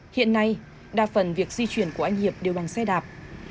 hiện nay đa phần việc di chuyển của anh hiệp đều bằng xe đạp